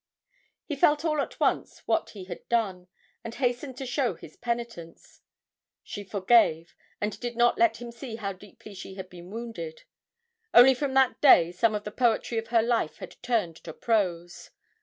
He felt all at once what he had done, and hastened to show his penitence; she forgave, and did not let him see how deeply she had been wounded only from that day some of the poetry of her life had turned to prose.